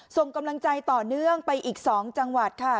ส่งกำลังใจต่อเนื่องไปอีก๒จังหวัดค่ะ